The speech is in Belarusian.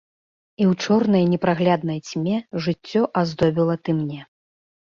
І ў чорнай, непрагляднай цьме жыццё аздобіла ты мне.